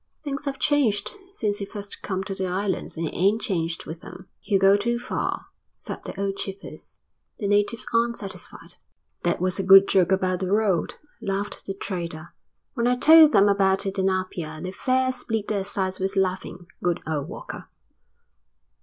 Things have changed since he first come to the islands and he ain't changed with them." "He'll go too far," said the old chiefess. "The natives aren't satisfied." "That was a good joke about the road," laughed the trader. "When I told them about it in Apia they fair split their sides with laughing. Good old Walker."